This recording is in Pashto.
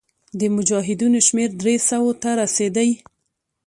د مجاهدینو شمېر دریو سوو ته رسېدی.